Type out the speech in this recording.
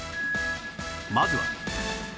まずは